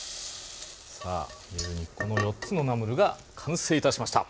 この４つのナムルが完成いたしました。